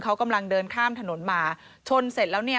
เขากำลังเดินข้ามถนนมาชนเสร็จแล้วเนี่ย